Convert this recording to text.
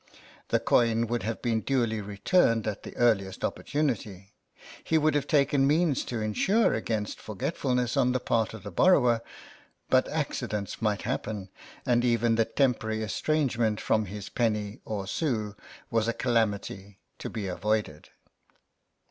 The coin would have been duly returned at the earliest opportunity — he would have taken means to insure against forgetfulness on the part of the borrower — but accidents might happen, and even the temporary estrangement from his penny or sou was a calamity to be avoided.